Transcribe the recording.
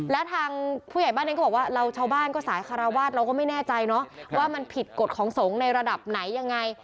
แล้วทางผู้ใหญ่บ้านเองก็บอกว่าเราชาวบ้านก็สายคาราวาสเราก็ไม่แน่ใจเนอะว่ามันผิดกฎของสงฆ์ในระดับไหนยังไง